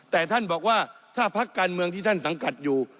แต่ท่านบอกว่าถ้าพักการเมืองที่ท่านสังกัดอยู่